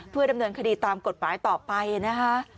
เพื่อดำเนินคดีตามกฎหมายต่อไปนะคะ